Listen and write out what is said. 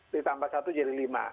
ditambah satu jadi lima